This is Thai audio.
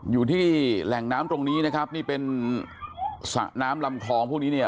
อยู่ที่แหล่งน้ำตรงนี้นะครับนี่เป็นสระน้ำลำคลองพวกนี้เนี่ย